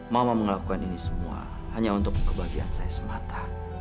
mama melakukan ini semua hanya untuk kebahagiaan saya semata